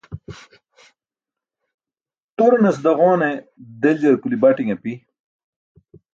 Turanas daġowane deljar kuli bati̇n api.